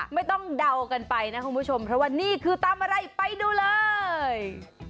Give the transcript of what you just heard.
เดากันไปนะคุณผู้ชมเพราะว่านี่คือตำอะไรไปดูเลย